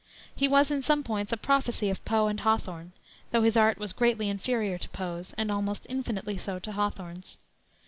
He was in some points a prophecy of Poe and Hawthorne, though his art was greatly inferior to Poe's, and almost infinitely so to Hawthorne's.